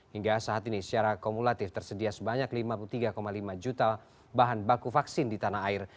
hingga saat ini secara kumulatif tersedia sebanyak lima puluh tiga lima juta bahan baku vaksin di tanah air